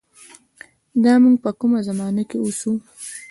دا مونږ په کومه زمانه کښې اوسو